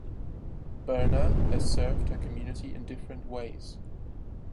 Birna has served her community in different ways.